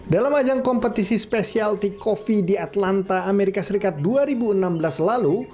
dalam ajang kompetisi spesial tick coffee di atlanta amerika serikat dua ribu enam belas lalu